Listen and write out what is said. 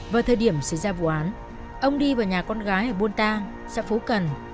vào thời điểm xảy ra vụ án ông đi vào nhà con gái ở buôn tang xã phú cần